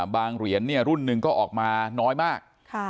เหรียญรุ่นหนึ่งก็ออกมาน้อยมาก